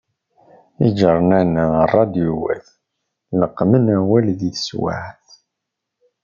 Iğernanen ṛṛadyuwat, leqmen awal di teswaԑt.